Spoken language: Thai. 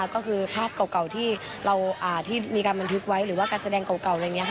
ก็คือภาพเก่าที่มีการบันทึกไว้หรือว่าการแสดงเก่าอะไรอย่างนี้